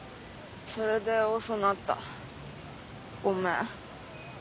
それで遅なったごめん。